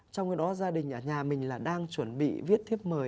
trong khi đó gia đình ở nhà mình là đang chuẩn bị viết thiếp mời